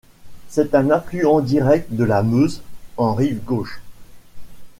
C'est un affluent direct de la Meuse en rive gauche.